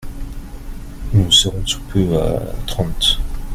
Nous serons sous peu à Trente.